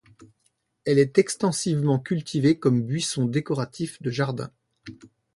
Elle est extensivement cultivée comme buisson décoratif de jardin.